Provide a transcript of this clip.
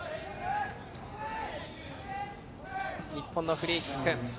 日本のフリーキック。